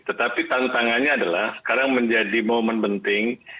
tetapi tantangannya adalah sekarang menjadi momen penting